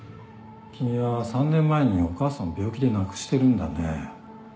君は３年前にお母さんを病気で亡くしてるんだね。